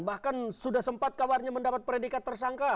bahkan sudah sempat kabarnya mendapat predikat tersangka